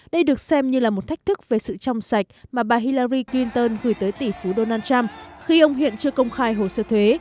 đây được xem như là một thách thức về sự trong sạch mà bà hillari clinton gửi tới tỷ phú donald trump khi ông hiện chưa công khai hồ sơ thuế